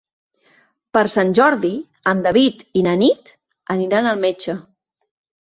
Per Sant Jordi en David i na Nit aniran al metge.